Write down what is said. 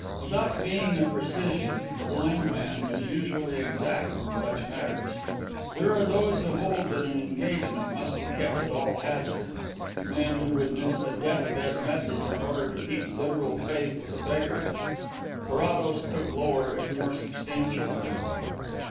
Without being a precisian, the blind man was usually exact in such matters. There are those who hold that an engagement must be kept at all hazard: men who would miss a death bed message in order to keep literal faith with a beggar. Carrados took lower, if more substantial, ground.